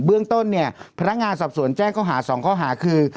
เรื่องต้นเนี่ยพนักงานสอบสวนแจ้งข้อหา๒ข้อหาคือ